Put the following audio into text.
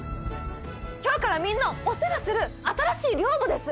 今日からみんなをお世話する新しい寮母です